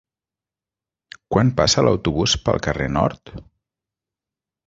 Quan passa l'autobús pel carrer Nord?